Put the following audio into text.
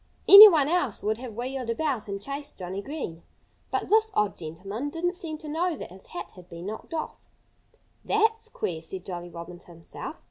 Anyone else would have wheeled about and chased Johnnie Green. But this odd gentleman didn't seem to know that his hat had been knocked off. "That's queer!" said Jolly Robin to himself.